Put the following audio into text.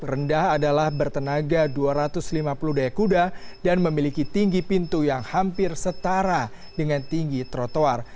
rendah adalah bertenaga dua ratus lima puluh daya kuda dan memiliki tinggi pintu yang hampir setara dengan tinggi trotoar